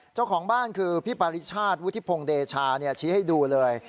เจ้าของบ้านคือพี่ปริชาติวุฒิพงศ์เดชาชี้ให้ดูเลย